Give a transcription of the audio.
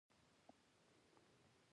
هغه په غلا او چاقو وهلو تورن و.